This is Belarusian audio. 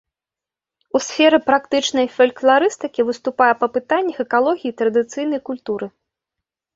У сферы практычнай фалькларыстыкі выступае па пытаннях экалогіі традыцыйнай культуры.